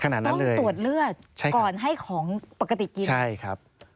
ขนาดนั้นเลยใช่ครับต้องตรวจเลือดก่อนให้ของปกติกินใช่ครับ